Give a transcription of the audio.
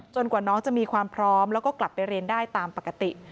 กว่าน้องจะมีความพร้อมแล้วก็กลับไปเรียนได้ตามปกติ